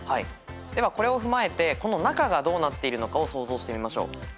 ではこれを踏まえてこの中がどうなっているのかを想像してみましょう。